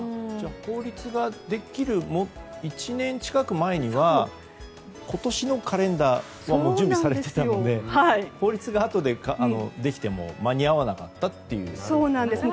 法律ができる１年近く前には今年のカレンダーは準備されていたので法律があとでできても間に合わなかったということですね。